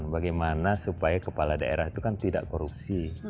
bagaimana supaya kepala daerah itu kan tidak korupsi